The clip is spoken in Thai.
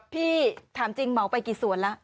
พี่ถามจริงเหมาไปกี่สวนแล้ว